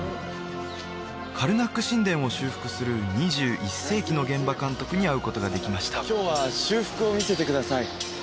カルナック神殿を修復する２１世紀の現場監督に会うことができました今日は修復を見せてください